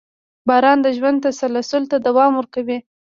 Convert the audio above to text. • باران د ژوند تسلسل ته دوام ورکوي.